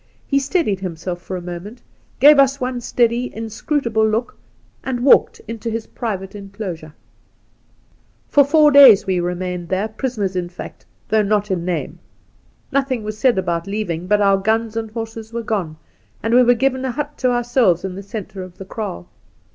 He steadied himself for a moment, gave us one steady, inscrutable look, and walked into his private enclosure. ' For four days we remained there — prisoners in fact, though not in name. Nothing was said about leaving, but our guns and horses were gone, and we were given a hut to ourselves in the centre of the kraal.